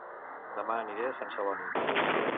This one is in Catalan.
Dema aniré a Sant Celoni